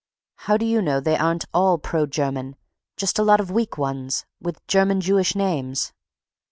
"How do you know they aren't all pro German—just a lot of weak ones—with German Jewish names."